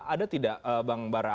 ada tidak bang mbah rana